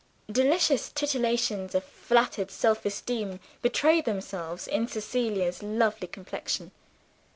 Delicious titillations of flattered self esteem betray themselves in Cecilia's lovely complexion.